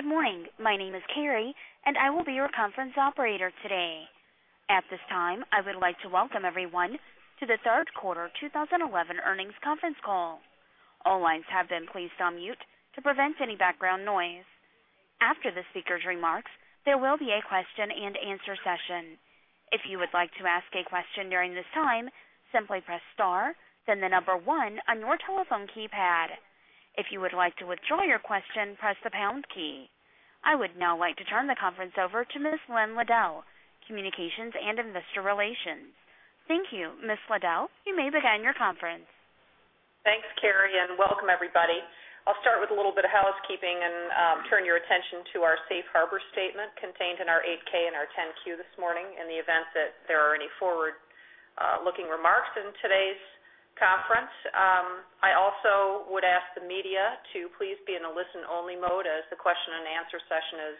Good morning. My name is Carrie, and I will be your conference operator today. At this time, I would like to welcome everyone to the Third Quarter 2011 Earnings Conference Call. All lines have been placed on mute to prevent any background noise. After the speaker's remarks, there will be a question-and- answer session. If you would like to ask a question during this time, simply press star then the number one on your telephone keypad. If you would like to withdraw your question, press the pound key. I would now like to turn the conference over to Ms. Lynn Liddell, Communications and Investor Relations. Thank you, Ms. Liddell. You may begin your conference. Thanks, Carrie, and welcome, everybody. I'll start with a little bit of housekeeping and turn your attention to our safe harbor statement contained in our 8-K and our 10-Q this morning in the event that there are any forward-looking remarks in today's conference. I also would ask the media to please be in a listen-only mode as the question and answer session is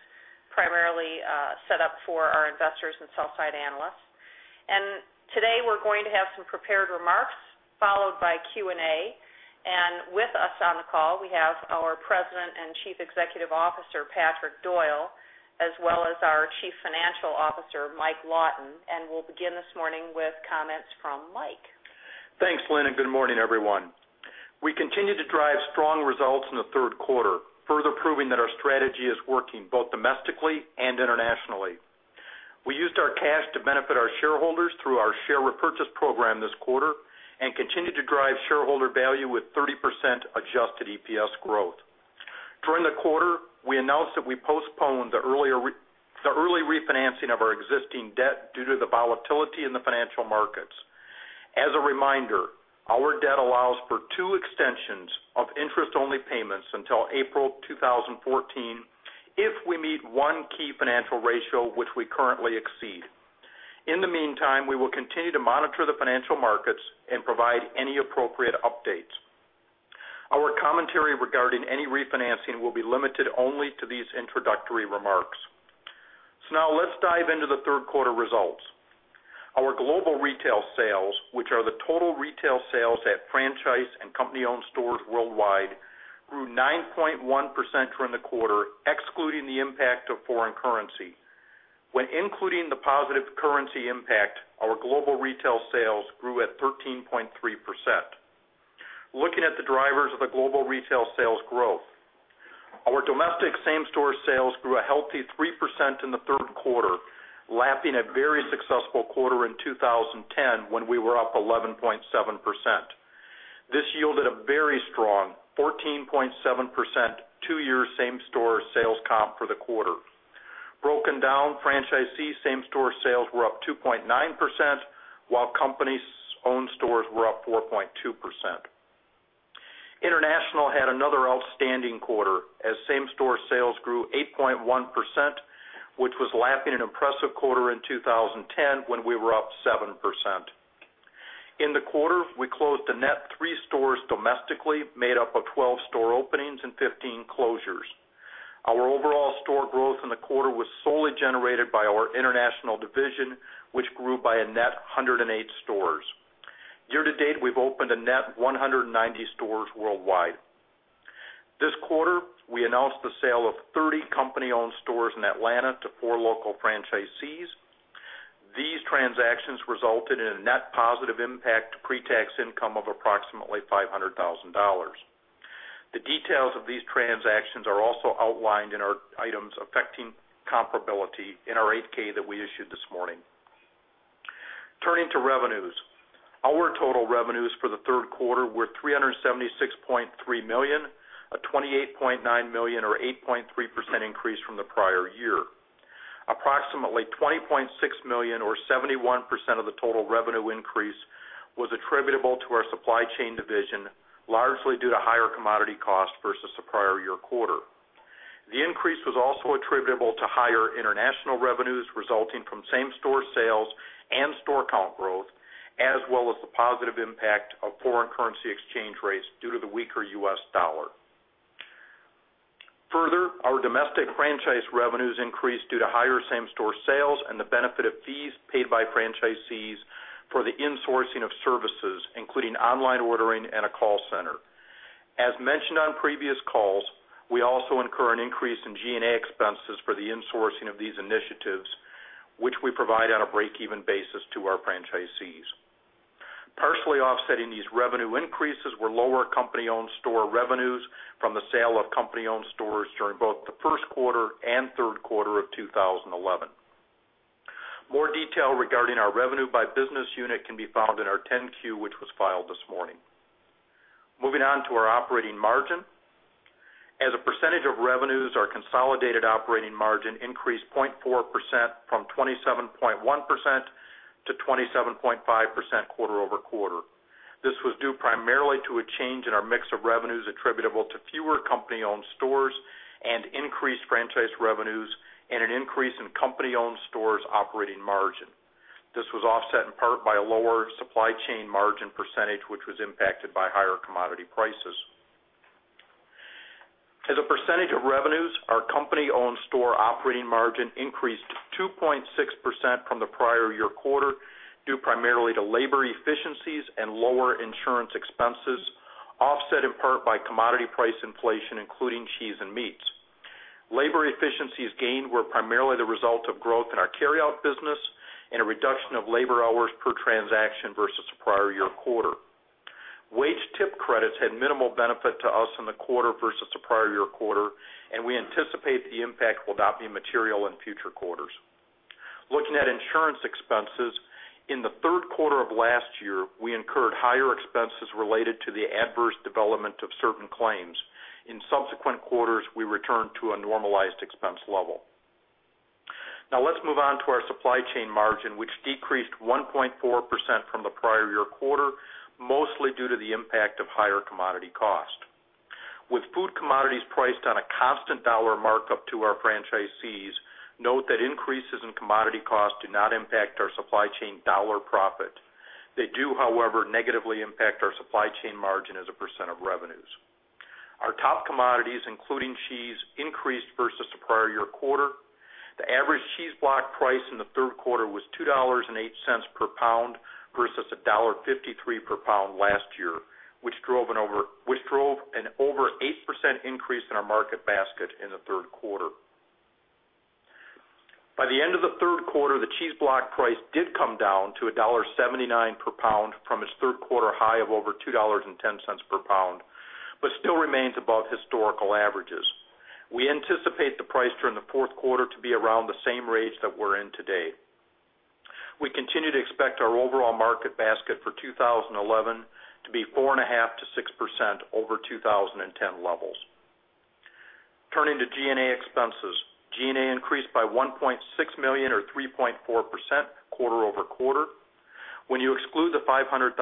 primarily set up for our investors and sell-side analysts. Today, we're going to have some prepared remarks followed by Q&A. With us on the call, we have our President and Chief Executive Officer, Patrick Doyle, as well as our Chief Financial Officer, Mike Lawton. We'll begin this morning with comments from Mike. Thanks, Lynn, and good morning, everyone. We continue to drive strong results in the third quarter, further proving that our strategy is working both domestically and internationally. We used our cash to benefit our shareholders through our share repurchase program this quarter and continue to drive shareholder value with 30% adjusted EPS growth. During the quarter, we announced that we postponed the early refinancing of our existing debt due to the volatility in the financial markets. As a reminder, our debt allows for two extensions of interest-only payments until April 2014 if we meet one key financial ratio, which we currently exceed. In the meantime, we will continue to monitor the financial markets and provide any appropriate updates. Our commentary regarding any refinancing will be limited only to these introductory remarks. Now, let's dive into the third quarter results. Our global retail sales, which are the total retail sales at franchise and company-owned stores worldwide, grew 9.1% during the quarter, excluding the impact of foreign currency. When including the positive currency impact, our global retail sales grew at 13.3%. Looking at the drivers of the global retail sales growth, our domestic same-store sales grew a healthy 3% in the third quarter, lapping a very successful quarter in 2010 when we were up 11.7%. This yielded a very strong 14.7% two-year same-store sales comp for the quarter. Broken down, franchisee same-store sales were up 2.9%, while company-owned stores were up 4.2%. International had another outstanding quarter as same-store sales grew 8.1%, which was lapping an impressive quarter in 2010 when we were up 7%. In the quarter, we closed the net three stores domestically, made up of 12 store openings and 15 closures. Our overall store growth in the quarter was solely generated by our international division, which grew by a net 108 stores. Year-to-date, we've opened a net 190 stores worldwide. This quarter, we announced the sale of 30 company-owned stores in Atlanta to four local franchisees. These transactions resulted in a net positive impact to pre-tax income of approximately $500,000. The details of these transactions are also outlined in our items affecting comparability in our 8-K that we issued this morning. Turning to revenues, our total revenues for the third quarter were $376.3 million, a $28.9 million or 8.3% increase from the prior year. Approximately $20.6 million, or 71% of the total revenue increase, was attributable to our supply chain division, largely due to higher commodity costs versus the prior year quarter. The increase was also attributable to higher international revenues resulting from same-store sales and store comp growth, as well as the positive impact of foreign currency exchange rates due to the weaker U.S. dollar. Further, our domestic franchise revenues increased due to higher same-store sales and the benefit of fees paid by franchisees for the insourcing of services, including online ordering and a call center. As mentioned on previous calls, we also incur an increase in G&A expenses for the insourcing of these initiatives, which we provide on a break-even basis to our franchisees. Partially offsetting these revenue increases were lower company-owned store revenues from the sale of company-owned stores during both the first quarter and third quarter of 2011. More detail regarding our revenue by business unit can be found in our 10-Q, which was filed this morning. Moving on to our operating margin, as a percentage of revenues, our consolidated operating margin increased 0.4% from 27.1% to 27.5% quarter-over-quarter. This was due primarily to a change in our mix of revenues attributable to fewer company-owned stores and increased franchise revenues and an increase in company-owned stores' operating margin. This was offset in part by a lower supply chain margin percentage, which was impacted by higher commodity prices. As a percentage of revenues, our company-owned store operating margin increased 2.6% from the prior year quarter due primarily to labor efficiencies and lower insurance expenses, offset in part by commodity price inflation, including cheese and meats. Labor efficiencies gained were primarily the result of growth in our carryout business and a reduction of labor hours per transaction versus the prior year quarter. Wage tip credits had minimal benefit to us in the quarter versus the prior year quarter, and we anticipate the impact will not be material in future quarters. Looking at insurance expenses, in the third quarter of last year, we incurred higher expenses related to the adverse development of certain claims. In subsequent quarters, we returned to a normalized expense level. Now, let's move on to our supply chain margin, which decreased 1.4% from the prior year quarter, mostly due to the impact of higher commodity costs. With food commodities priced on a constant dollar markup to our franchisees, note that increases in commodity costs do not impact our supply chain dollar profit. They do, however, negatively impact our supply chain margin as a percent of revenues. Our top commodities, including cheese, increased versus the prior year quarter. The average cheese block price in the third quarter was $2.08 per pound versus $1.53 per pound last year, which drove an over 8% increase in our market basket in the third quarter. By the end of the third quarter, the cheese block price did come down to $1.79 per pound from its third quarter high of over $2.10 per pound, but still remains above historical averages. We anticipate the price during the fourth quarter to be around the same range that we're in today. We continue to expect our overall market basket for 2011 to be 4.5%-6% over 2010 levels. Turning to G&A expenses, G&A increased by $1.6 million or 3.4% quarter-over-quarter. When you exclude the $500,000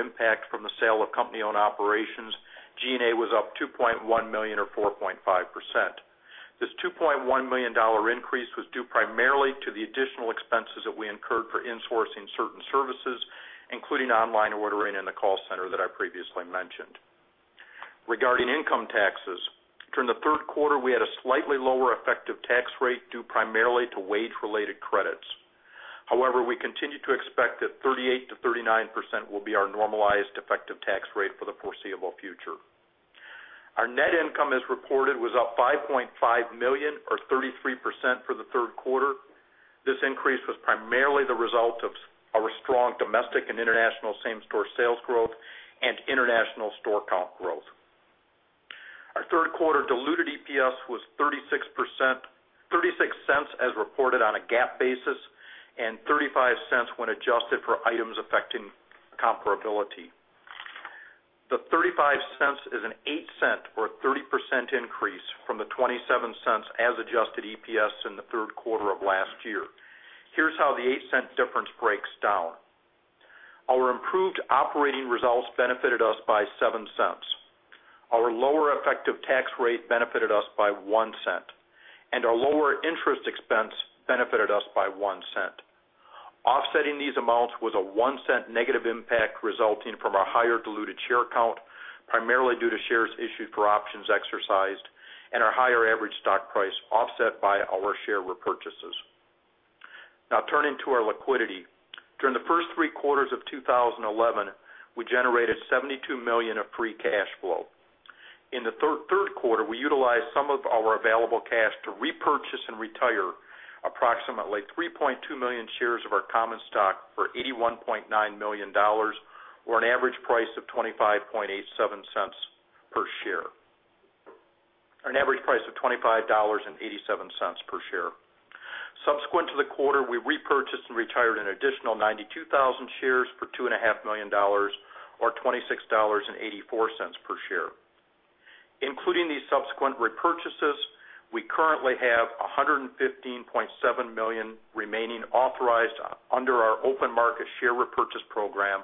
impact from the sale of company-owned operations, G&A was up $2.1 million or 4.5%. This $2.1 million increase was due primarily to the additional expenses that we incurred for insourcing certain services, including online ordering and the call center that I previously mentioned. Regarding income taxes, during the third quarter, we had a slightly lower effective tax rate due primarily to wage-related credits. However, we continue to expect that 38%-39% will be our normalized effective tax rate for the foreseeable future. Our net income, as reported, was up $5.5 million or 33% for the third quarter. This increase was primarily the result of our strong domestic and international same-store sales growth and international store comp growth. Our third quarter diluted EPS was $0.36, as reported on a GAAP basis, and $0.35 when adjusted for items affecting comparability. The $0.35 is an $0.08 or 30% increase from the $0.27 as adjusted EPS in the third quarter of last year. Here's how the $0.08 difference breaks down. Our improved operating results benefited us by $0.07. Our lower effective tax rate benefited us by $0.01. Our lower interest expense benefited us by $0.01. Offsetting these amounts was a $0.01 negative impact resulting from our higher diluted share count, primarily due to shares issued for options exercised, and our higher average stock price offset by our share repurchases. Now, turning to our liquidity, during the first three quarters of 2011, we generated $72 million of free cash flow. In the third quarter, we utilized some of our available cash to repurchase and retire approximately 3.2 million shares of our common stock for $81.9 million, or an average price of $25.87 per share. An average price of $25.87 per share. Subsequent to the quarter, we repurchased and retired an additional 92,000 shares for $2.5 million, or $26.84 per share. Including these subsequent repurchases, we currently have $115.7 million remaining authorized under our open-market share repurchase program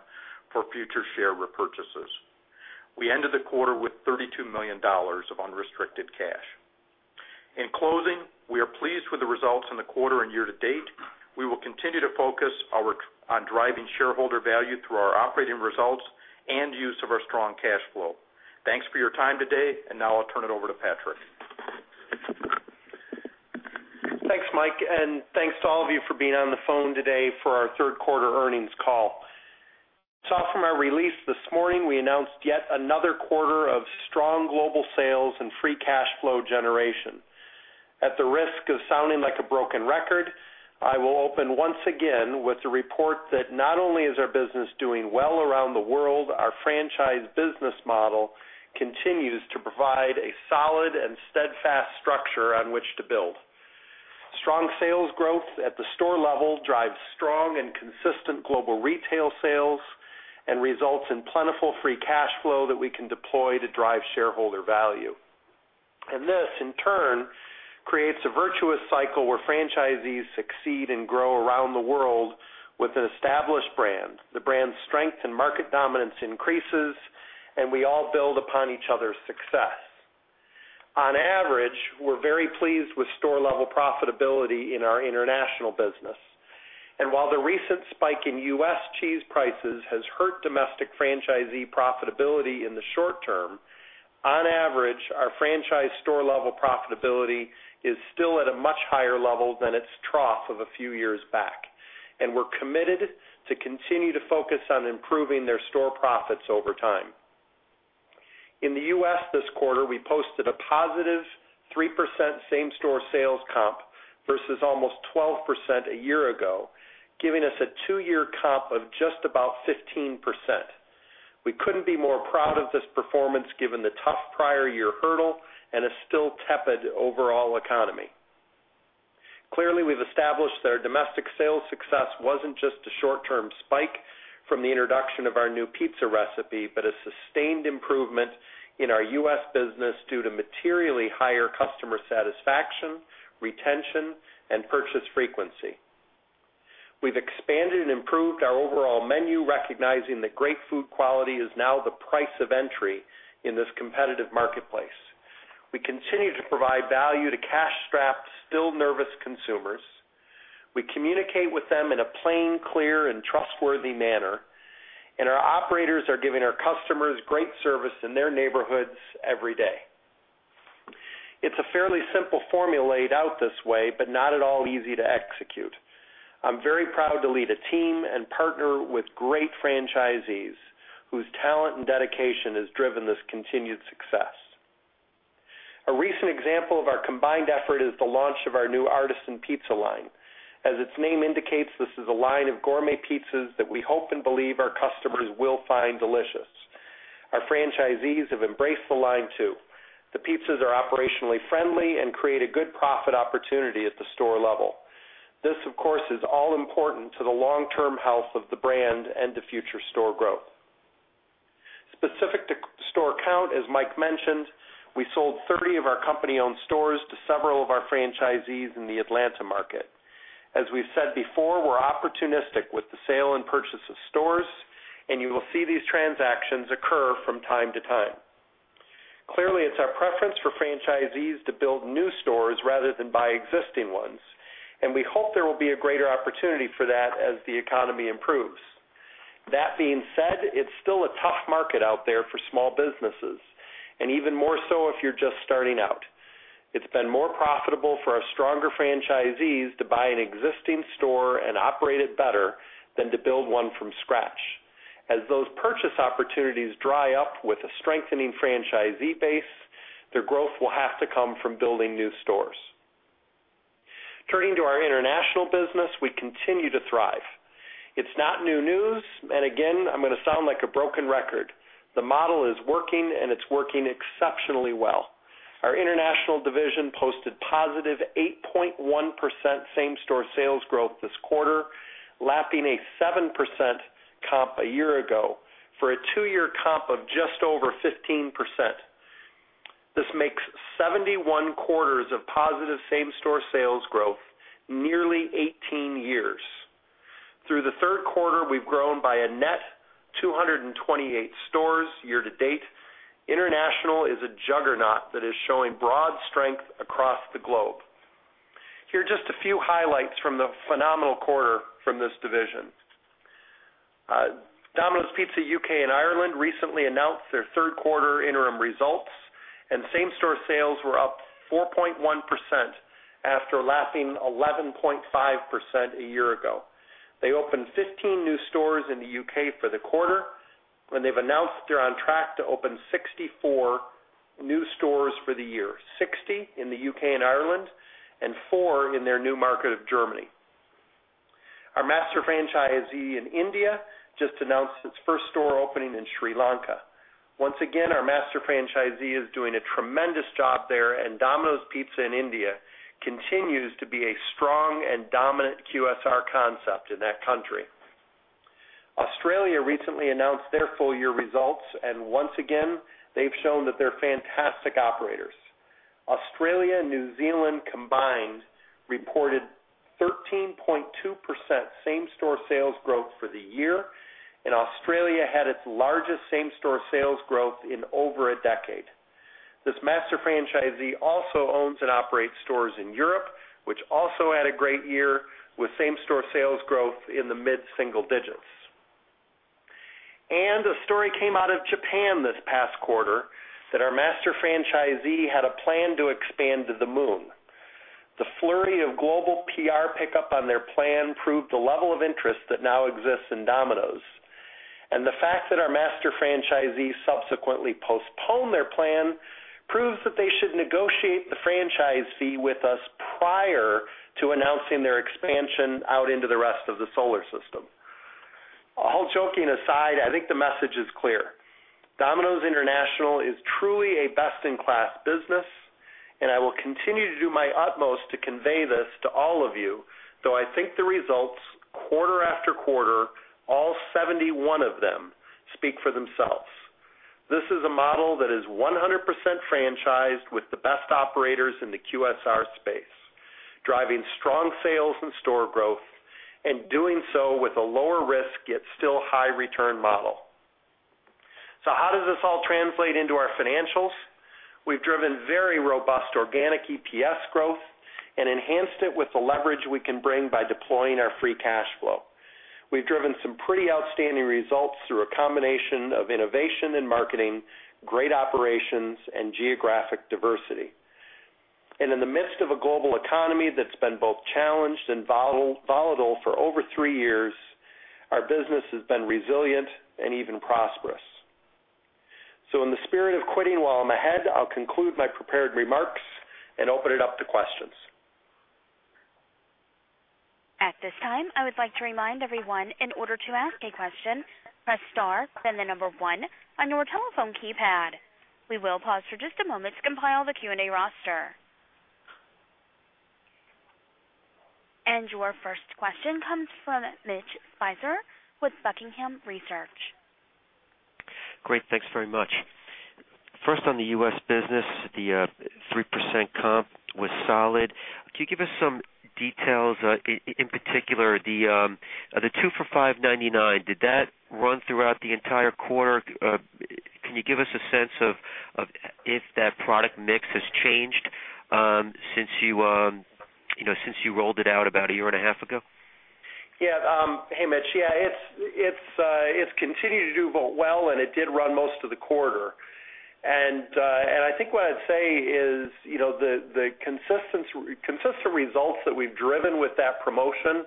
for future share repurchases. We ended the quarter with $32 million of unrestricted cash. In closing, we are pleased with the results in the quarter and year-to-date. We will continue to focus on driving shareholder value through our operating results and use of our strong cash flow. Thanks for your time today, and now I'll turn it over to Patrick. Thanks, Mike, and thanks to all of you for being on the phone today for our third quarter earnings call. To offer my release this morning, we announced yet another quarter of strong global sales and free cash flow generation. At the risk of sounding like a broken record, I will open once again with the report that not only is our business doing well around the world, our franchise business model continues to provide a solid and steadfast structure on which to build. Strong sales growth at the store level drives strong and consistent global retail sales and results in plentiful free cash flow that we can deploy to drive shareholder value. This, in turn, creates a virtuous cycle where franchisees succeed and grow around the world with an established brand. The brand's strength and market dominance increases, and we all build upon each other's success. On average, we're very pleased with store-level profitability in our international business. While the recent spike in U.S. cheese prices has hurt domestic franchisee profitability in the short term, on average, our franchise store-level profitability is still at a much higher level than its trough of a few years back. We're committed to continue to focus on improving their store profits over time. In the U.S. this quarter, we posted a +3% same-store sales comp versus almost 12% a year ago, giving us a two-year comp of just about 15%. We couldn't be more proud of this performance given the tough prior year hurdle and a still tepid overall economy. Clearly, we've established that our domestic sales success wasn't just a short-term spike from the introduction of our new pizza recipe, but a sustained improvement in our U.S. business due to materially higher customer satisfaction, retention, and purchase frequency. We've expanded and improved our overall menu, recognizing that great food quality is now the price of entry in this competitive marketplace. We continue to provide value to cash-strapped, still nervous consumers. We communicate with them in a plain, clear, and trustworthy manner. Our operators are giving our customers great service in their neighborhoods every day. It's a fairly simple formula laid out this way, but not at all easy to execute. I'm very proud to lead a team and partner with great franchisees whose talent and dedication has driven this continued success. A recent example of our combined effort is the launch of our new Artisan Pizza line. As its name indicates, this is a line of gourmet pizzas that we hope and believe our customers will find delicious. Our franchisees have embraced the line too. The pizzas are operationally friendly and create a good profit opportunity at the store level. This, of course, is all important to the long-term health of the brand and to future store growth. Specific to store count, as Mike mentioned, we sold 30 of our company-owned stores to several of our franchisees in the Atlanta market. As we've said before, we're opportunistic with the sale and purchase of stores, and you will see these transactions occur from time to time. Clearly, it's our preference for franchisees to build new stores rather than buy existing ones. We hope there will be a greater opportunity for that as the economy improves. That being said, it's still a tough market out there for small businesses, and even more so if you're just starting out. It's been more profitable for our stronger franchisees to buy an existing store and operate it better than to build one from scratch. As those purchase opportunities dry up with a strengthening franchisee base, their growth will have to come from building new stores. Turning to our international business, we continue to thrive. It's not new news, and again, I'm going to sound like a broken record. The model is working, and it's working exceptionally well. Our international division posted +8.1% same-store sales growth this quarter, lapping a 7% comp a year ago for a two-year comp of just over 15%. This makes 71 quarters of positive same-store sales growth, nearly 18 years. Through the third quarter, we've grown by a net 228 stores year-to-date. International is a juggernaut that is showing broad strength across the globe. Here are just a few highlights from the phenomenal quarter from this division. Domino's Pizza UK and Ireland recently announced their third quarter interim results, and same-store sales were up 4.1% after lapping 11.5% a year ago. They opened 15 new stores in the UK for the quarter, and they've announced they're on track to open 64 new stores for the year, 60 in the UK and Ireland, and four in their new market of Germany. Our master franchisee in India just announced its first store opening in Sri Lanka. Once again, our master franchisee is doing a tremendous job there, and Domino's Pizza in India continues to be a strong and dominant QSR concept in that country. Australia recently announced their full-year results, and once again, they've shown that they're fantastic operators. Australia and New Zealand combined reported 13.2% same-store sales growth for the year, and Australia had its largest same-store sales growth in over a decade. This master franchisee also owns and operates stores in Europe, which also had a great year with same-store sales growth in the mid-single digits. A story came out of Japan this past quarter that our master franchisee had a plan to expand to the moon. The flurry of global PR pickup on their plan proved the level of interest that now exists in Domino's. The fact that our master franchisee subsequently postponed their plan proves that they should negotiate the franchise fee with us prior to announcing their expansion out into the rest of the solar system. All joking aside, I think the message is clear. Domino's International is truly a best-in-class business, and I will continue to do my utmost to convey this to all of you, though I think the results, quarter after quarter, all 71 of them, speak for themselves. This is a model that is 100% franchised with the best operators in the QSR space, driving strong sales and store growth, and doing so with a lower risk yet still high return model. How does this all translate into our financials? We've driven very robust organic EPS growth and enhanced it with the leverage we can bring by deploying our free cash flow. We've driven some pretty outstanding results through a combination of innovation and marketing, great operations, and geographic diversity. In the midst of a global economy that's been both challenged and volatile for over three years, our business has been resilient and even prosperous. In the spirit of quitting while I'm ahead, I'll conclude my prepared remarks and open it up to questions. At this time, I would like to remind everyone, in order to ask a question, press star then the number one on your telephone keypad. We will pause for just a moment to compile the Q&A roster. Your first question comes from Mitch Spicer with Buckingham Research. Great, thanks very much. First, on the U.S. business, the 3% comp was solid. Can you give us some details? In particular, the two for $5.99, did that run throughout the entire quarter? Can you give us a sense of if that product mix has changed since you rolled it out about a year and a half ago? Yeah, hey Mitch. Yeah, it's continued to do well, and it did run most of the quarter. I think what I'd say is, you know, the consistent results that we've driven with that promotion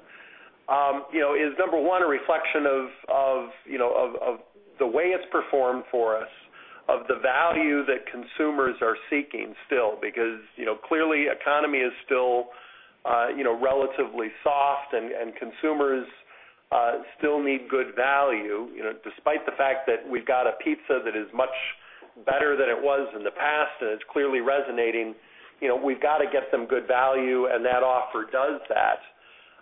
is, number one, a reflection of the way it's performed for us, of the value that consumers are seeking still, because clearly, the economy is still relatively soft, and consumers still need good value, despite the fact that we've got a pizza that is much better than it was in the past, and it's clearly resonating. We've got to get them good value, and that offer does that.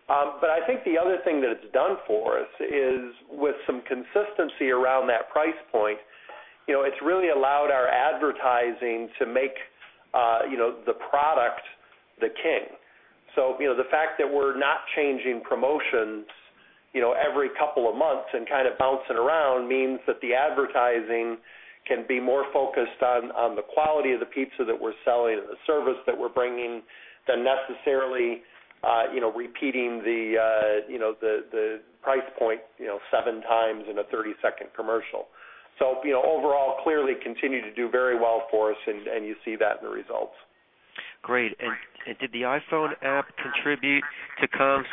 I think the other thing that it's done for us is, with some consistency around that price point, it's really allowed our advertising to make the product the king. The fact that we're not changing promotions every couple of months and kind of bouncing around means that the advertising can be more focused on the quality of the pizza that we're selling and the service that we're bringing than necessarily repeating the price point seven times in a 30-second commercial. Overall, clearly, it continued to do very well for us, and you see that in the results. Great. Did the iPhone app contribute to comps?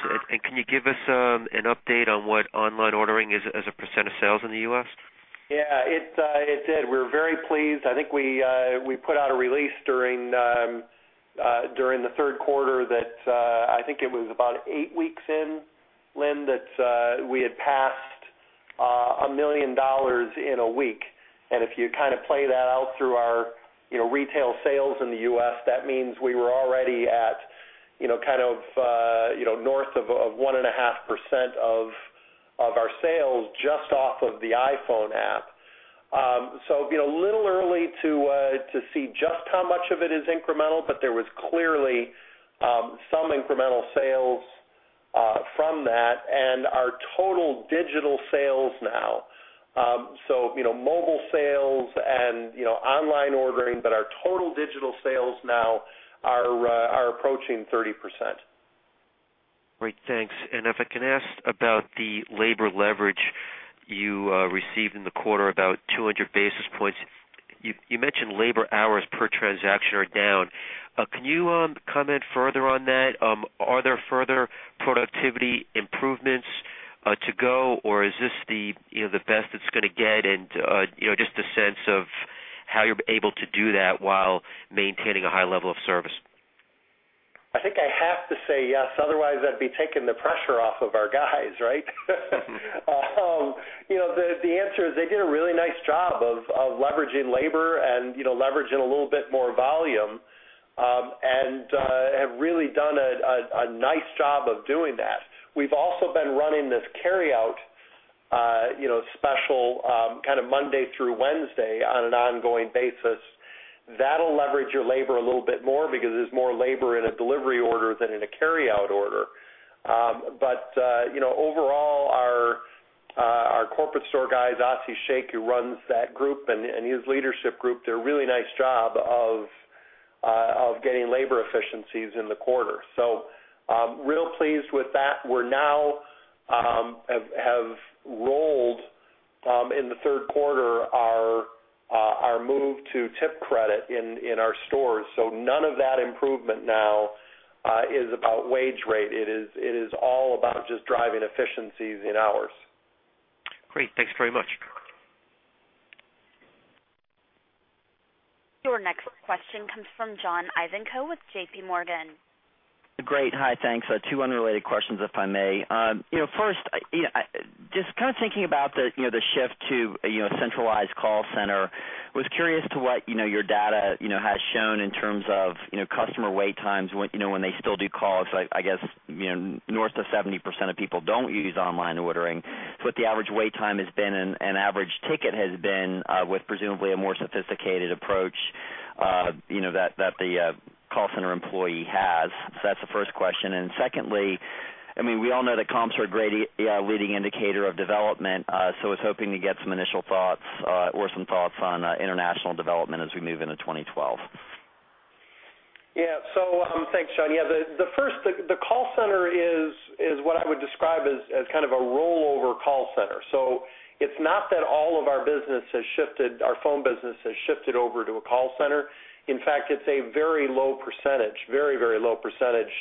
Can you give us an update on what online ordering is as a percent of sales in the U.S.? Yeah, it did. We're very pleased. I think we put out a release during the third quarter that I think it was about eight weeks in, Lynn, that we had passed $1 million in a week. If you kind of play that out through our retail sales in the U.S., that means we were already at kind of north of 1.5% of our sales just off of the iPhone app. It's a little early to see just how much of it is incremental, but there was clearly some incremental sales from that. Our total digital sales now, so mobile sales and online ordering, are approaching 30%. Great, thanks. If I can ask about the labor leverage you received in the quarter, about 200 basis points, you mentioned labor hours per transaction are down. Can you comment further on that? Are there further productivity improvements to go, or is this the best it's going to get? Just a sense of how you're able to do that while maintaining a high level of service. I think I have to say yes. Otherwise, I'd be taking the pressure off of our guys, right? The answer is they did a really nice job of leveraging labor and leveraging a little bit more volume and have really done a nice job of doing that. We've also been running this carryout special kind of Monday through Wednesday on an ongoing basis. That'll leverage your labor a little bit more because there's more labor in a delivery order than in a carryout order. Overall, our corporate store guys, Asi Sheikh, who runs that group and his leadership group, did a really nice job of getting labor efficiencies in the quarter. Real pleased with that. We now have rolled in the third quarter our move to tip credit in our stores. None of that improvement now is about wage rate. It is all about just driving efficiencies in hours. Great, thanks very much. Your next question comes from John Ivankoe with JP Morgan. Great, hi, thanks. Two unrelated questions, if I may. First, just kind of thinking about the shift to a centralized call center, I was curious to what your data has shown in terms of customer wait times when they still do calls. I guess north of 70% of people don't use online ordering. What the average wait time has been and average ticket has been with presumably a more sophisticated approach that the call center employee has. That's the first question. Secondly, we all know that comps are a great leading indicator of development. I was hoping to get some initial thoughts or some thoughts on international development as we move into 2012. Yeah, thanks, John. The call center is what I would describe as kind of a rollover call center. It is not that all of our business, our phone business, has shifted over to a call center. In fact, it is a very low percentage, very, very low percentage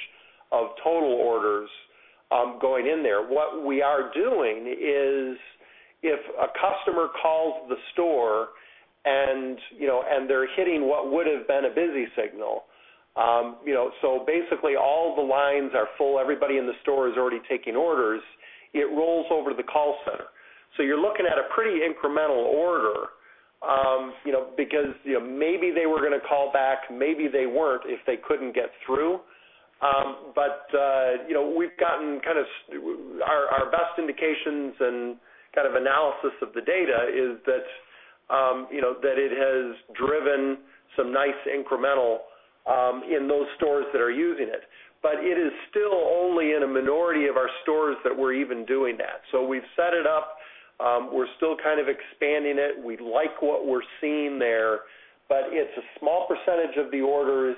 of total orders going in there. What we are doing is if a customer calls the store and they are hitting what would have been a busy signal, so basically all the lines are full, everybody in the store is already taking orders, it rolls over to the call center. You are looking at a pretty incremental order because maybe they were going to call back, maybe they were not if they could not get through. Our best indications and analysis of the data is that it has driven some nice incremental in those stores that are using it. It is still only in a minority of our stores that we are even doing that. We have set it up. We are still expanding it. We like what we are seeing there. It is a small percentage of the orders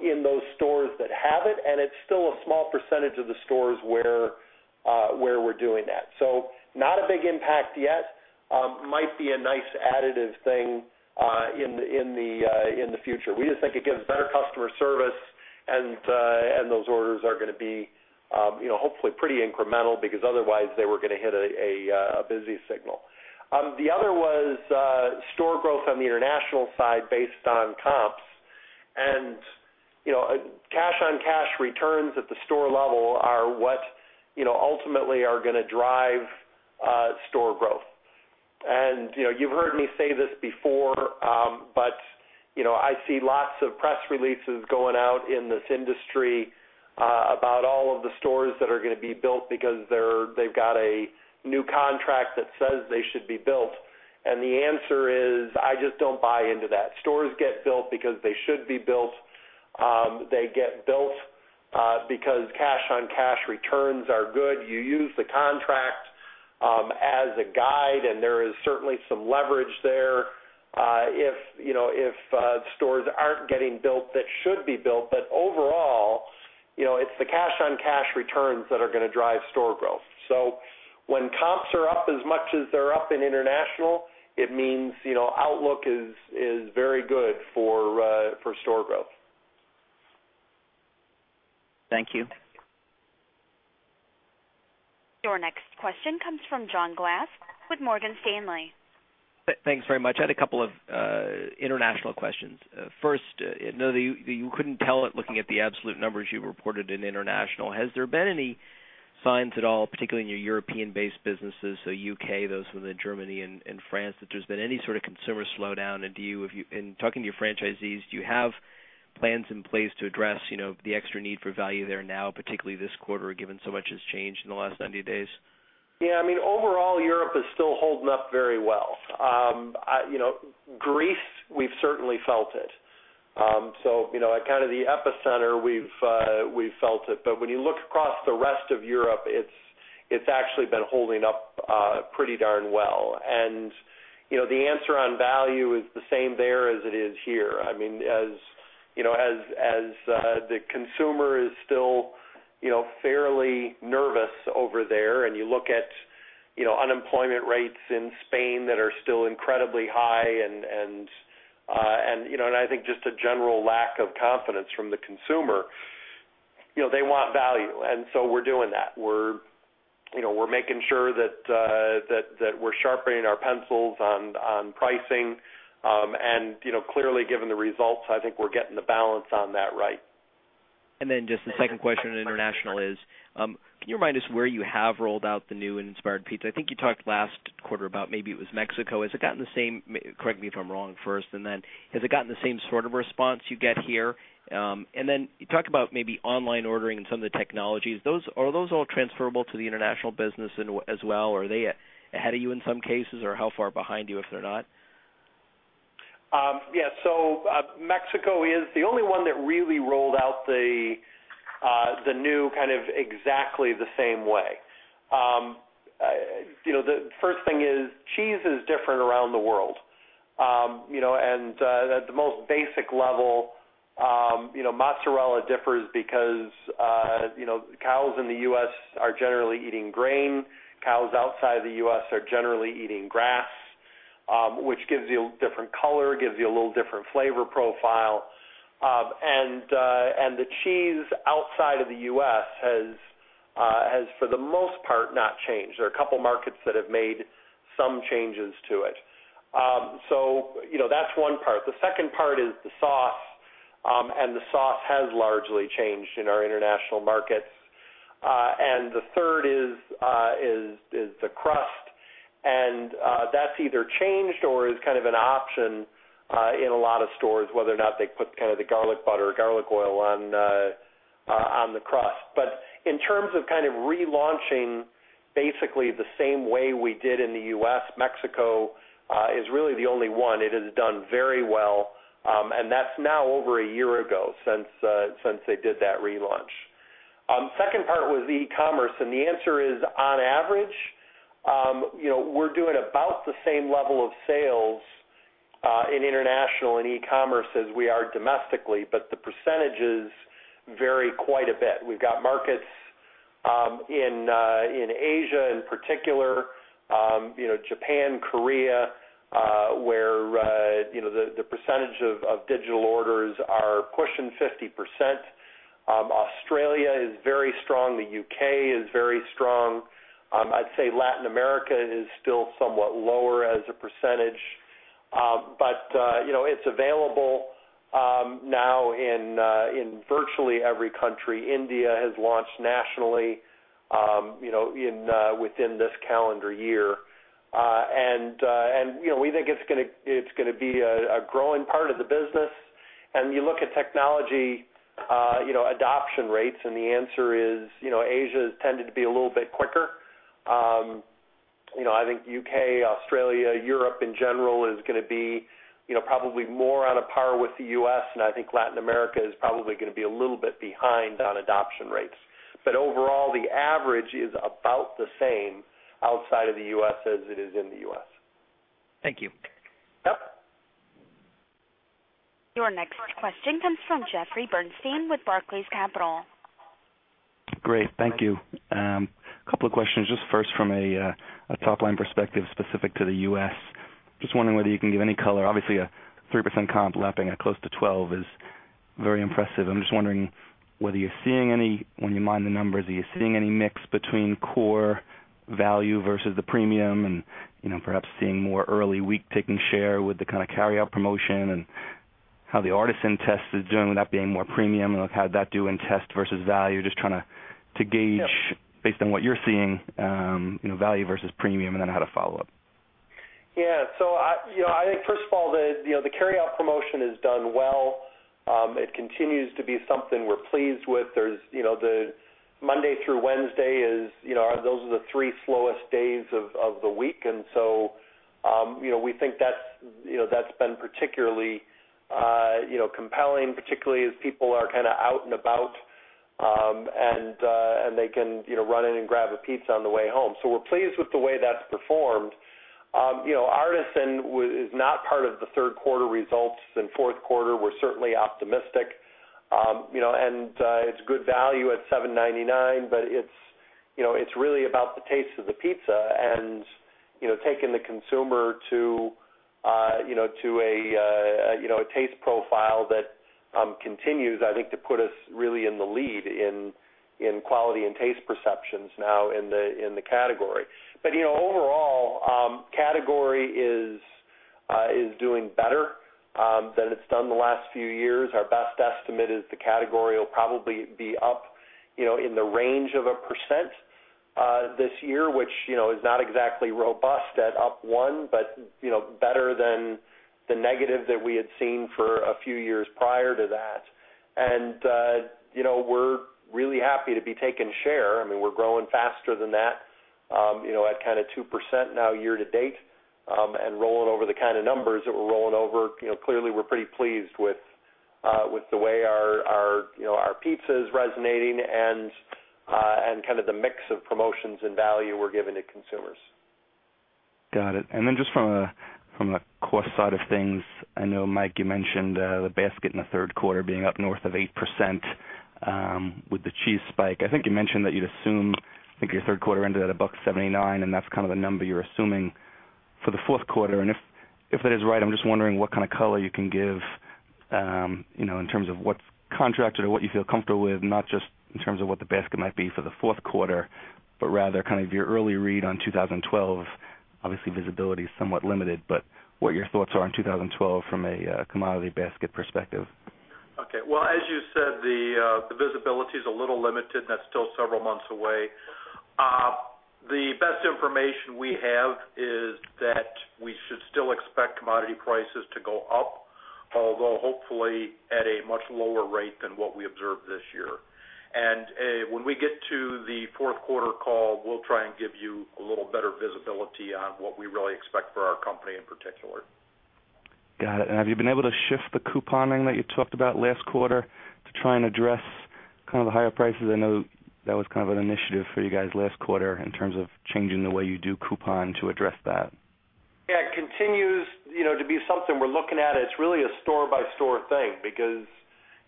in those stores that have it, and it is still a small percentage of the stores where we are doing that. Not a big impact yet. Might be a nice additive thing in the future. We just think it gives better customer service, and those orders are going to be hopefully pretty incremental because otherwise, they were going to hit a busy signal. The other was store growth on the international side based on comps. Cash-on-cash returns at the store level are what ultimately are going to drive store growth. You have heard me say this before, but I see lots of press releases going out in this industry about all of the stores that are going to be built because they have got a new contract that says they should be built. The answer is, I just do not buy into that. Stores get built because they should be built. They get built because cash-on-cash returns are good. You use the contract as a guide, and there is certainly some leverage there if stores are not getting built that should be built. Overall, it is the cash-on-cash returns that are going to drive store growth. When comps are up as much as they are up in international, it means outlook is very good for store growth. Thank you. Your next question comes from John Glass with Morgan Stanley. Thanks very much. I had a couple of international questions. First, I know that you couldn't tell it looking at the absolute numbers you reported in international. Has there been any signs at all, particularly in your European-based businesses, so UK, those with Germany and France, that there's been any sort of consumer slowdown? In talking to your franchisees, do you have plans in place to address the extra need for value there now, particularly this quarter, given so much has changed in the last 90 days? Yeah, I mean, overall, Europe is still holding up very well. Greece, we've certainly felt it. Kind of the epicenter, we've felt it. When you look across the rest of Europe, it's actually been holding up pretty darn well. The answer on value is the same there as it is here. I mean, as the consumer is still fairly nervous over there, and you look at unemployment rates in Spain that are still incredibly high, and I think just a general lack of confidence from the consumer, they want value. We're doing that. We're making sure that we're sharpening our pencils on pricing. Clearly, given the results, I think we're getting the balance on that right. Just the second question in international is, can you remind us where you have rolled out the new and inspired pizza? I think you talked last quarter about maybe it was Mexico. Correct me if I'm wrong first. Has it gotten the same sort of response you get here? You talk about maybe online ordering and some of the technologies. Are those all transferable to the international business as well? Are they ahead of you in some cases or how far behind you if they're not? Yeah, so Mexico is the only one that really rolled out the new kind of exactly the same way. The first thing is cheese is different around the world. At the most basic level, mozzarella differs because cows in the U.S. are generally eating grain. Cows outside the U.S. are generally eating grass, which gives you a different color, gives you a little different flavor profile. The cheese outside of the U.S. has, for the most part, not changed. There are a couple of markets that have made some changes to it. That's one part. The second part is the sauce, and the sauce has largely changed in our international markets. The third is the crust, and that's either changed or is kind of an option in a lot of stores, whether or not they put kind of the garlic butter or garlic oil on the crust. In terms of kind of relaunching basically the same way we did in the U.S., Mexico is really the only one. It has done very well, and that's now over a year ago since they did that relaunch. The second part was e-commerce. The answer is, on average, we're doing about the same level of sales in international and e-commerce as we are domestically, but the percentages vary quite a bit. We've got markets in Asia, in particular, Japan, Korea, where the percentage of digital orders are pushing 50%. Australia is very strong. The UK is very strong. I'd say Latin America is still somewhat lower as a percentage, but it's available now in virtually every country. India has launched nationally within this calendar year, and we think it's going to be a growing part of the business. You look at technology adoption rates, and the answer is Asia has tended to be a little bit quicker. I think the UK, Australia, Europe in general is going to be probably more on a par with the U.S., and I think Latin America is probably going to be a little bit behind on adoption rates. Overall, the average is about the same outside of the U.S. as it is in the U.S. Thank you. Your next question comes from Jeffrey Bernstein with Barclays Capital. Great, thank you. A couple of questions, just first from a top-line perspective specific to the U.S. Just wondering whether you can give any color. Obviously, a 3% comp lapping at close to 12% is very impressive. I'm just wondering whether you're seeing any, when you mine the numbers, are you seeing any mix between core value versus the premium and perhaps seeing more early week taking share with the kind of carryout promotion and how the Artisan test is doing with that being more premium? How did that do in test versus value? Just trying to gauge based on what you're seeing, value versus premium, and then how to follow up. Yeah, I think first of all, the carryout promotion has done well. It continues to be something we're pleased with. The Monday through Wednesday, those are the three slowest days of the week. We think that's been particularly compelling, particularly as people are kind of out and about, and they can run in and grab a pizza on the way home. We're pleased with the way that's performed. Artisan is not part of the third quarter results in fourth quarter. We're certainly optimistic. It's good value at $7.99, but it's really about the taste of the pizza and taking the consumer to a taste profile that continues, I think, to put us really in the lead in quality and taste perceptions now in the category. Overall, the category is doing better than it's done the last few years. Our best estimate is the category will probably be up in the range of 1% this year, which is not exactly robust at up 1%, but better than the negative that we had seen for a few years prior to that. We're really happy to be taking share. I mean, we're growing faster than that at kind of 2% now year-to-date and rolling over the kind of numbers that we're rolling over. Clearly, we're pretty pleased with the way our pizza is resonating and kind of the mix of promotions and value we're giving to consumers. Got it. Just from the cost side of things, I know, Mike, you mentioned the basket in the third quarter being up north of 8% with the cheese spike. I think you mentioned that you'd assume, I think your third quarter ended at $1.79, and that's kind of the number you're assuming for the fourth quarter. If that is right, I'm just wondering what kind of color you can give in terms of what's contracted or what you feel comfortable with, not just in terms of what the basket might be for the fourth quarter, but rather kind of your early read on 2012. Obviously, visibility is somewhat limited, but what your thoughts are on 2012 from a commodity basket perspective. As you said, the visibility is a little limited, and that's still several months away. The best information we have is that we should still expect commodity prices to go up, although hopefully at a much lower rate than what we observed this year. When we get to the fourth quarter call, we'll try and give you a little better visibility on what we really expect for our company in particular. Have you been able to shift the couponing that you talked about last quarter to try and address kind of the higher prices? I know that was kind of an initiative for you guys last quarter in terms of changing the way you do coupon to address that. Yeah, it continues to be something we're looking at. It's really a store-by-store thing because,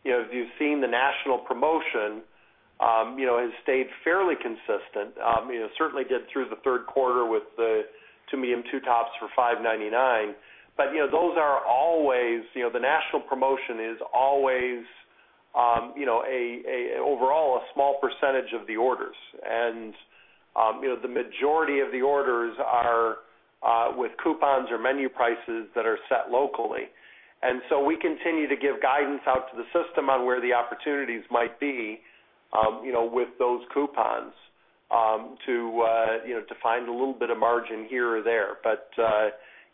as you've seen, the national promotion has stayed fairly consistent. It certainly did through the third quarter with the two medium two tops for $5.99. Those are always, the national promotion is always overall a small percentage of the orders. The majority of the orders are with coupons or menu prices that are set locally. We continue to give guidance out to the system on where the opportunities might be with those coupons to find a little bit of margin here or there.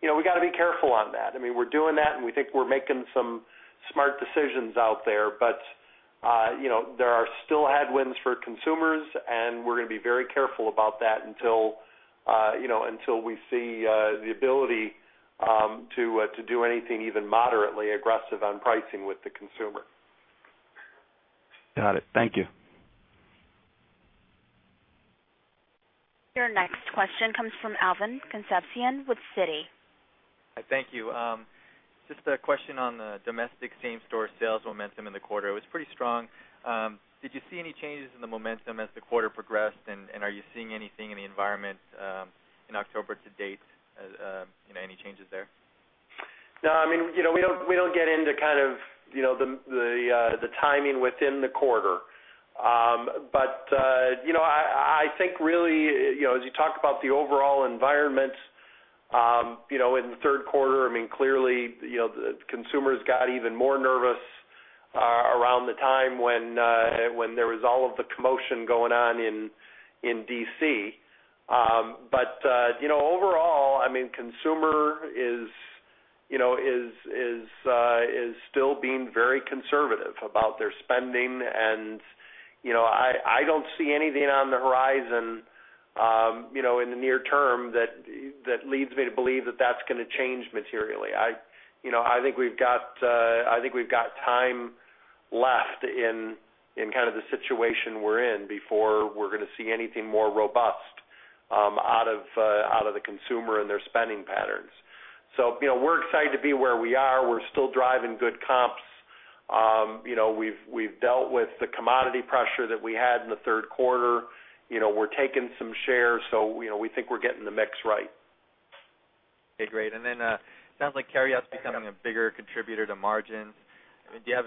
We have to be careful on that. I mean, we're doing that, and we think we're making some smart decisions out there. There are still headwinds for consumers, and we're going to be very careful about that until we see the ability to do anything even moderately aggressive on pricing with the consumer. Got it. Thank you. Your next question comes from Alvin Concepcion with Citi. Hi, thank you. Just a question on the domestic same-store sales momentum in the quarter. It was pretty strong. Did you see any changes in the momentum as the quarter progressed? Are you seeing anything in the environment in October to date? Any changes there? No, I mean, we don't get into kind of the timing within the quarter. I think really, as you talk about the overall environment in the third quarter, clearly, consumers got even more nervous around the time when there was all of the commotion going on in D.C. Overall, consumer is still being very conservative about their spending. I don't see anything on the horizon in the near term that leads me to believe that that's going to change materially. I think we've got time left in kind of the situation we're in before we're going to see anything more robust out of the consumer and their spending patterns. We're excited to be where we are. We're still driving good comps. We've dealt with the commodity pressure that we had in the third quarter. We're taking some share, so we think we're getting the mix right. Okay, great. It sounds like carryout's becoming a bigger contributor to margins. Do you have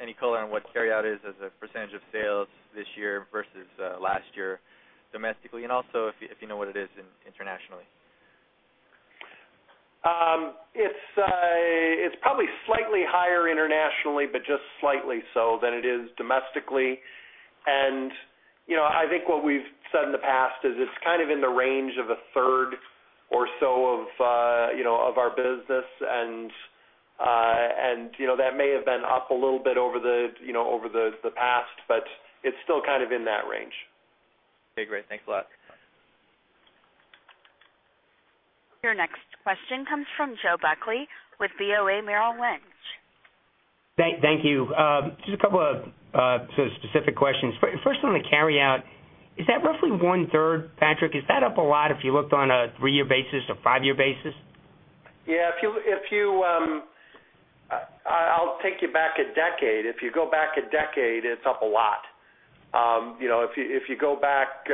any color on what carryout is as a percentage of sales this year versus last year domestically? Also, if you know what it is internationally. It's probably slightly higher internationally, but just slightly so than it is domestically. I think what we've said in the past is it's kind of in the range of a third or so of our business. That may have been up a little bit over the past, but it's still kind of in that range. Okay, great. Thanks a lot. Your next question comes from Joe Buckley with BofA Merrill Lynch. Thank you. Just a couple of specific questions. First one on the carryout. Is that roughly one-third, Patrick? Is that up a lot if you looked on a three-year basis or five-year basis? I'll take you back a decade. If you go back a decade, it's up a lot. If you go back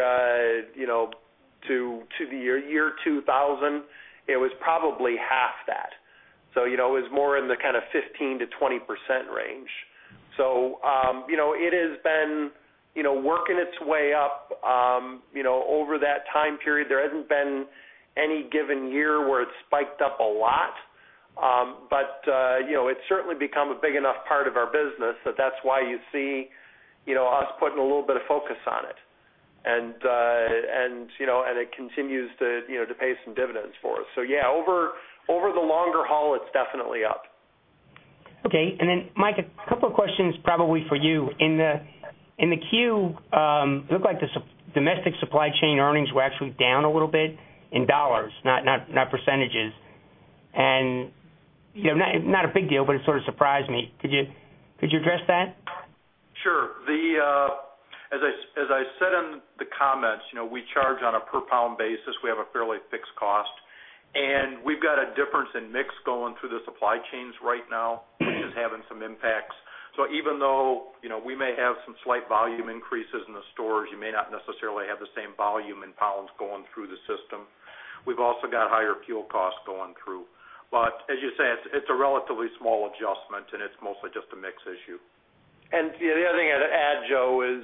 to the year 2000, it was probably half that. It was more in the kind of 15%-20% range. It has been working its way up over that time period. There hasn't been any given year where it spiked up a lot. It's certainly become a big enough part of our business that that's why you see us putting a little bit of focus on it. It continues to pay some dividends for us. Over the longer haul, it's definitely up. Okay. Mike, a couple of questions probably for you. In the queue, it looked like the domestic supply chain earnings were actually down a little bit in dollars, not percentages. Not a big deal, but it sort of surprised me. Could you address that? Sure. As I said in the comments, we charge on a per-pound basis. We have a fairly fixed cost, and we've got a difference in mix going through the supply chains right now, which is having some impacts. Even though we may have some slight volume increases in the stores, you may not necessarily have the same volume in pounds going through the system. We've also got higher fuel costs going through. It is a relatively small adjustment, and it's mostly just a mix issue. The other thing I'd add, Joe, is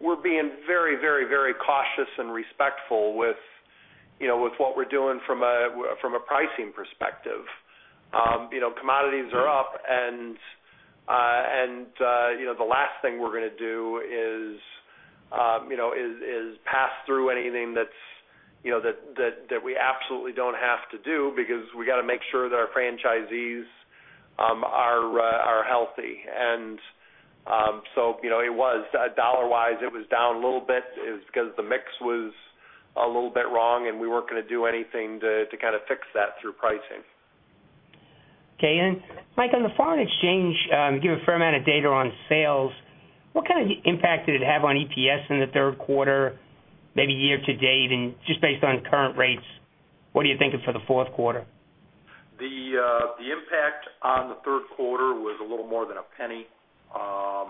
we're being very, very, very cautious and respectful with what we're doing from a pricing perspective. Commodities are up, and the last thing we're going to do is pass through anything that we absolutely don't have to do because we got to make sure that our franchisees are healthy. It was dollar-wise, it was down a little bit. It was because the mix was a little bit wrong, and we weren't going to do anything to kind of fix that through pricing. Okay. Mike, on the foreign exchange, you give a fair amount of data on sales. What kind of impact did it have on EPS in the third quarter, maybe year to date, and just based on current rates, what are you thinking for the fourth quarter? The impact on the third quarter was a little more than $0.01.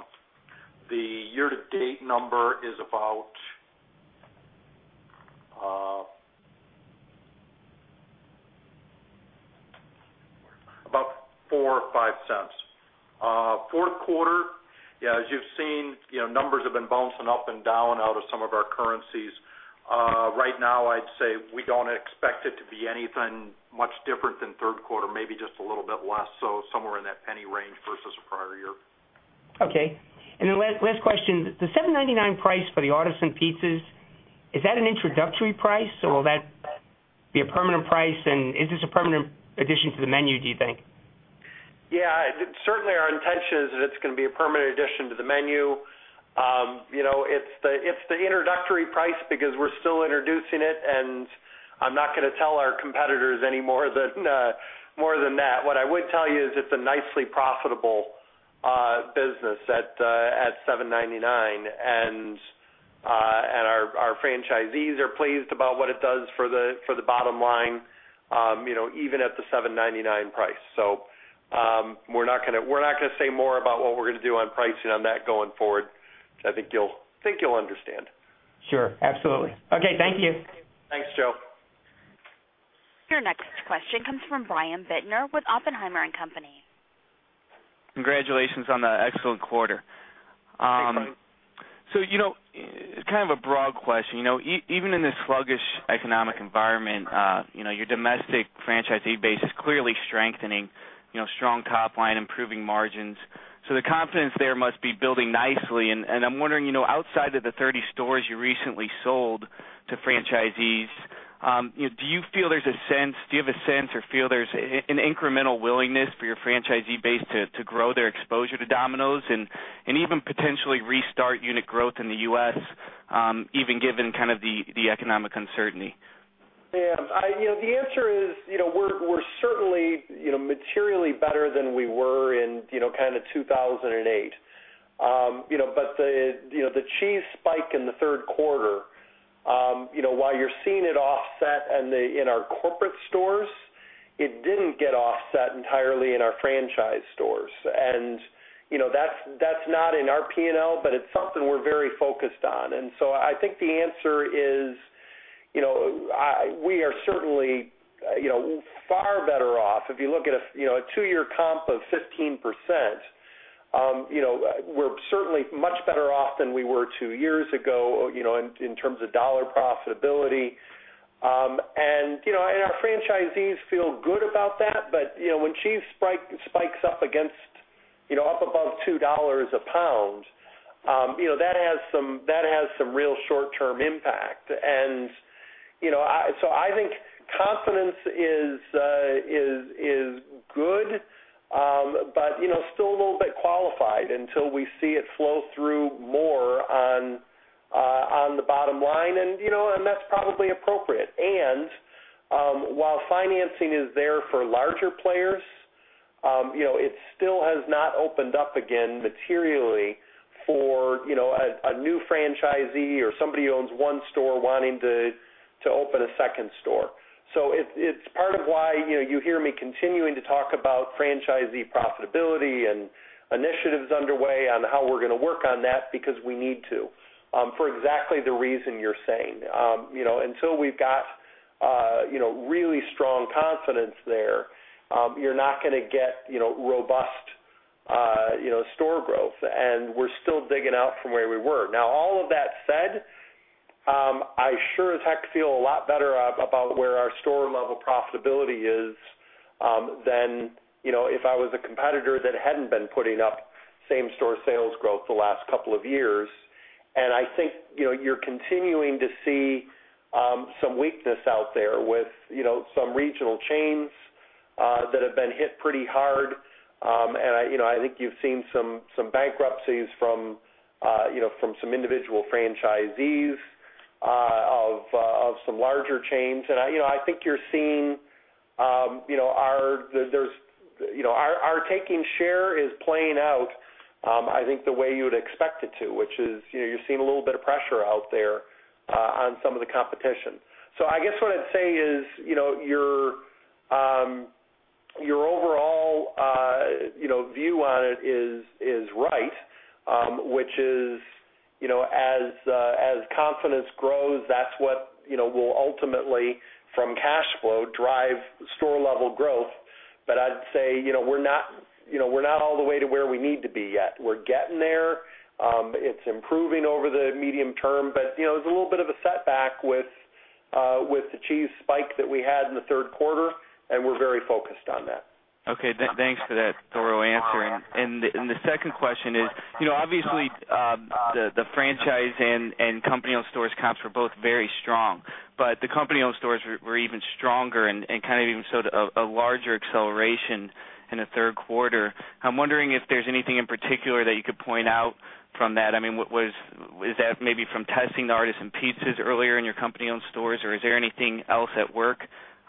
The year-to-date number is about $0.04 or $0.05. Fourth quarter, as you've seen, numbers have been bouncing up and down out of some of our currencies. Right now, I'd say we don't expect it to be anything much different than third quarter, maybe just a little bit less, so somewhere in that $0.01 range versus a prior year. Okay. Last question, the $7.99 price for the Artisan Pizza, is that an introductory price, or will that be a permanent price, and is this a permanent addition to the menu, do you think? Certainly, our intention is that it's going to be a permanent addition to the menu. It's the introductory price because we're still introducing it, and I'm not going to tell our competitors any more than that. What I would tell you is it's a nicely profitable business at $7.99, and our franchisees are pleased about what it does for the bottom line, even at the $7.99 price. We're not going to say more about what we're going to do on pricing on that going forward. I think you'll understand. Sure, absolutely. Okay, thank you. Thanks, Joe. Your next question comes from Brian Bittner with Oppenheimer & Company. Congratulations on the excellent quarter. Thanks. It's kind of a broad question. Even in this sluggish economic environment, your domestic franchisee base is clearly strengthening, with strong top line and improving margins. The confidence there must be building nicely. I'm wondering, outside of the 30 stores you recently sold to franchisees, do you feel there's a sense or feel there's an incremental willingness for your franchisee base to grow their exposure to Domino's and even potentially restart unit growth in the U.S., even given the economic uncertainty? Yeah, the answer is we're certainly materially better than we were in kind of 2008. The cheese spike in the third quarter, while you're seeing it offset in our corporate stores, it didn't get offset entirely in our franchise stores. That's not in our P&L, but it's something we're very focused on. I think the answer is we are certainly far better off. If you look at a two-year comp of 15%, we're certainly much better off than we were two years ago in terms of dollar profitability. Our franchisees feel good about that. When cheese spikes up above $2 a pound, that has some real short-term impact. I think confidence is good, but still a little bit qualified until we see it flow through more on the bottom line. That's probably appropriate. While financing is there for larger players, it still has not opened up again materially for a new franchisee or somebody who owns one store wanting to open a second store. It's part of why you hear me continuing to talk about franchisee profitability and initiatives underway on how we're going to work on that because we need to for exactly the reason you're saying. Until we've got really strong confidence there, you're not going to get robust store growth. We're still digging out from where we were. All of that said, I sure as heck feel a lot better about where our store-level profitability is than if I was a competitor that hadn't been putting up same-store sales growth the last couple of years. I think you're continuing to see some weakness out there with some regional chains that have been hit pretty hard. I think you've seen some bankruptcies from some individual franchisees of some larger chains. I think you're seeing our taking share is playing out, I think, the way you would expect it to, which is you're seeing a little bit of pressure out there on some of the competition. I guess what I'd say is your overall view on it is right, which is as confidence grows, that's what will ultimately, from cash flow, drive store-level growth. I'd say we're not all the way to where we need to be yet. We're getting there. It's improving over the medium term. There's a little bit of a setback with the cheese spike that we had in the third quarter, and we're very focused on that. Okay, thanks for that thorough answer. The second question is, you know obviously, the franchise and company-owned stores' comps were both very strong. The company-owned stores were even stronger and kind of even showed a larger acceleration in the third quarter. I'm wondering if there's anything in particular that you could point out from that. I mean, is that maybe from testing the Artisan Pizza earlier in your company-owned stores, or is there anything else at work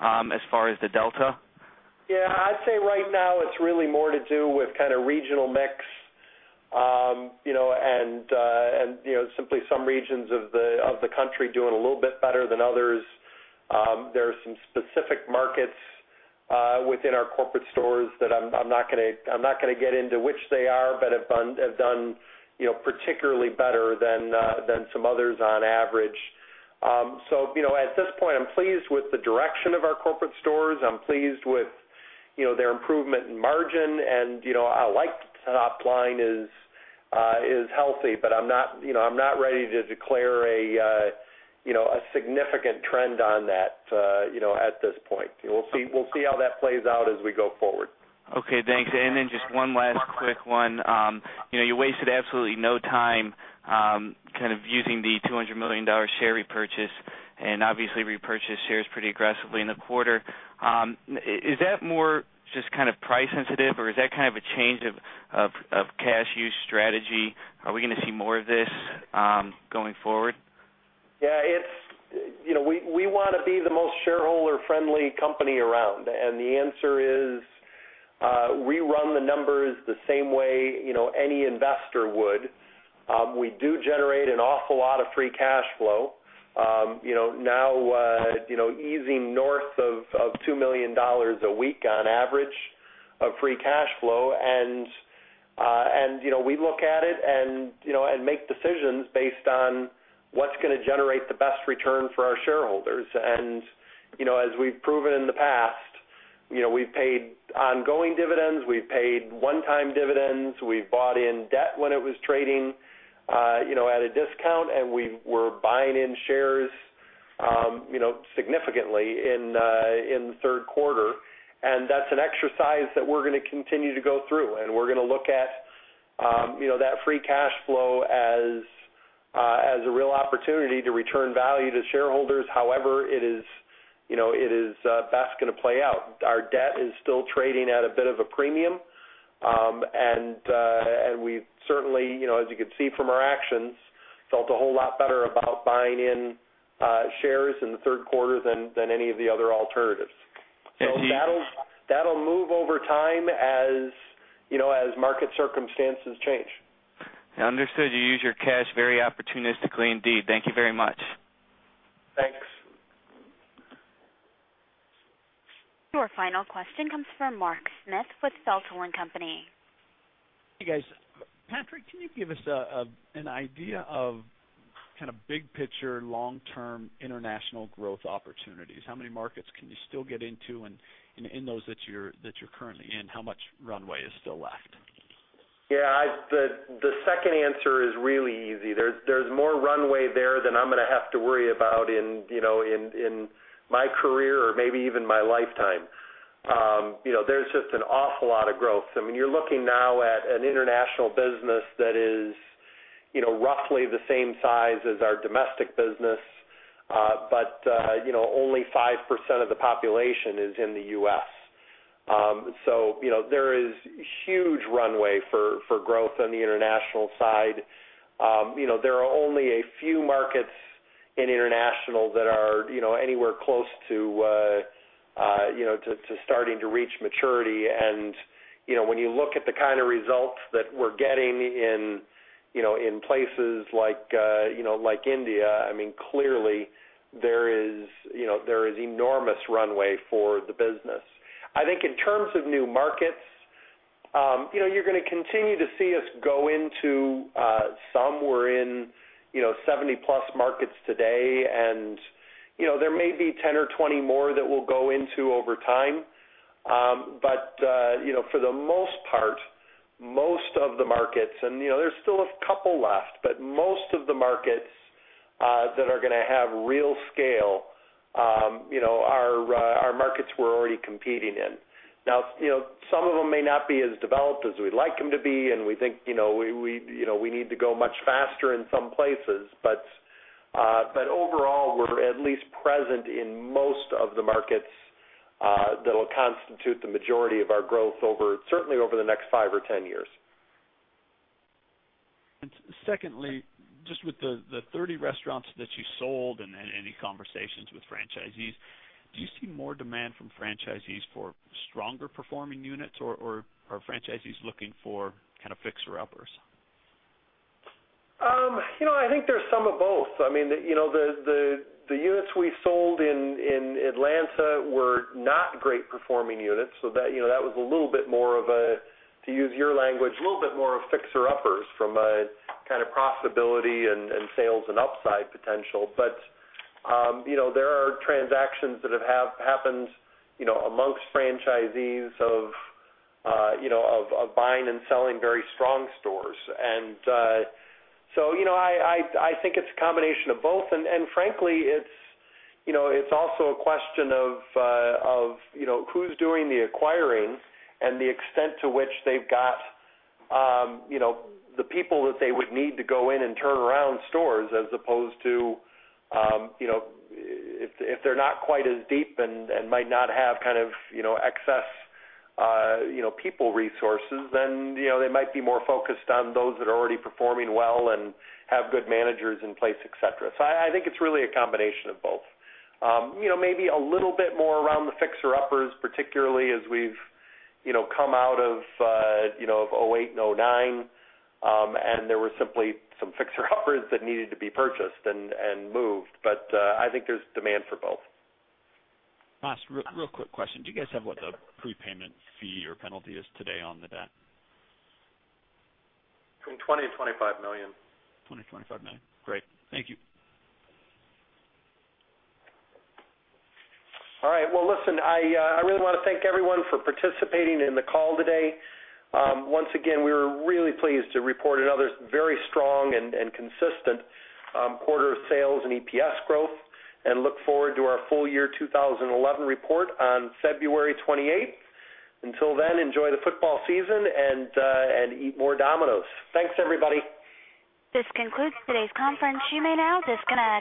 as far as the delta? I'd say right now it's really more to do with kind of regional mix and simply some regions of the country doing a little bit better than others. There are some specific markets within our corporate stores that I'm not going to get into which they are, but have done particularly better than some others on average. At this point, I'm pleased with the direction of our corporate stores. I'm pleased with their improvement in margin. I like that top line is healthy, but I'm not ready to declare a significant trend on that at this point. We'll see how that plays out as we go forward. Okay, thanks. Just one last quick one. You wasted absolutely no time kind of using the $200 million share repurchase and obviously repurchased shares pretty aggressively in the quarter. Is that more just kind of price sensitive, or is that kind of a change of cash use strategy? Are we going to see more of this going forward? We want to be the most shareholder-friendly company around. The answer is we run the numbers the same way any investor would. We do generate an awful lot of free cash flow, now easing north of $2 million a week on average of free cash flow. We look at it and make decisions based on what's going to generate the best return for our shareholders. As we've proven in the past, we've paid ongoing dividends. We've paid one-time dividends. We've bought in debt when it was trading at a discount. We were buying in shares significantly in the third quarter. That's an exercise that we're going to continue to go through. We're going to look at that free cash flow as a real opportunity to return value to shareholders, however it is best going to play out. Our debt is still trading at a bit of a premium. We certainly, as you could see from our actions, felt a whole lot better about buying in shares in the third quarter than any of the other alternatives. That'll move over time as market circumstances change. Understood. You use your cash very opportunistically indeed. Thank you very much. Thanks. Your final question comes from Mark Smith with Seltzer & Company. Hey guys, Patrick, can you give us an idea of kind of big-picture, long-term international growth opportunities? How many markets can you still get into? In those that you're currently in, how much runway is still left? Yeah, the second answer is really easy. There's more runway there than I'm going to have to worry about in my career or maybe even my lifetime. There's just an awful lot of growth. I mean, you're looking now at an international business that is roughly the same size as our domestic business, but only 5% of the population is in the U.S. There is huge runway for growth on the international side. There are only a few markets in international that are anywhere close to starting to reach maturity. When you look at the kind of results that we're getting in places like India, I mean, clearly there is enormous runway for the business. I think in terms of new markets, you're going to continue to see us go into some. We're in 70+ markets today, and there may be 10 or 20 more that we'll go into over time. For the most part, most of the markets, and there's still a couple left, but most of the markets that are going to have real scale are markets we're already competing in. Some of them may not be as developed as we'd like them to be, and we think we need to go much faster in some places. Overall, we're at least present in most of the markets that will constitute the majority of our growth, certainly over the next 5 or 10 years. With the 30 restaurants that you sold and any conversations with franchisees, do you see more demand from franchisees for stronger performing units, or are franchisees looking for kind of fixer-uppers? I think there's some of both. I mean, the units we sold in Atlanta were not great performing units. That was a little bit more of a, to use your language, a little bit more of fixer-uppers from a kind of profitability and sales and upside potential. There are transactions that have happened amongst franchisees of buying and selling very strong stores. I think it's a combination of both. Frankly, it's also a question of who's doing the acquiring and the extent to which they've got the people that they would need to go in and turn around stores, as opposed to if they're not quite as deep and might not have kind of excess people resources, then they might be more focused on those that are already performing well and have good managers in place, etc. I think it's really a combination of both. Maybe a little bit more around the fixer-uppers, particularly as we've come out of 2008 and 2009, and there were simply some fixer-uppers that needed to be purchased and moved. I think there's demand for both. Ross, real quick question. Do you guys have what the prepayment fee or penalty is today on the debt? Between $20 million and $25 million. $20 million-$25 million. Great. Thank you. All right. I really want to thank everyone for participating in the call today. Once again, we were really pleased to report another very strong and consistent quarter of sales and EPS growth and look forward to our full-year 2011 report on February 28. Until then, enjoy the football season and eat more Domino's. Thanks, everybody. This concludes today's conference. You may now just go.